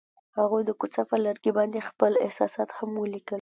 هغوی د کوڅه پر لرګي باندې خپل احساسات هم لیکل.